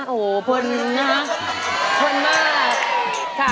โอ้โหเพินนะเพินมาก